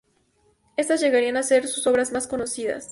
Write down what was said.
Estas llegarían a ser sus obras más conocidas.